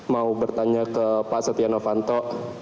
mau bertanya ke pak setia novanto